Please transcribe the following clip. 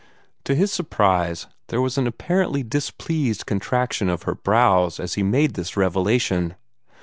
To his surprise, there was an apparently displeased contraction of her brows as he made this revelation.